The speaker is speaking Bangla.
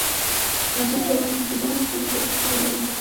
এখন সারাক্ষণ শুধু তোমাকেই খুঁজে বেড়াই কিন্তু কোথাও খুঁজে পাই না।